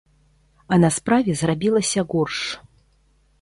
А на справе зрабілася горш.